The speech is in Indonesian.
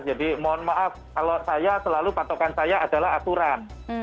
jadi mohon maaf kalau saya selalu patokan saya adalah aturan